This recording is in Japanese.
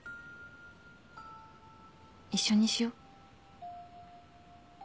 一緒にしよう。